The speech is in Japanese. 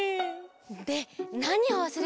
でなにをわすれたの？